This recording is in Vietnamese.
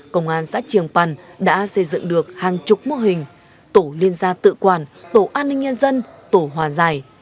công an xã trường pần đã xây dựng được hàng chục mô hình tổ liên gia tự quản tổ an ninh nhân dân tổ hòa giải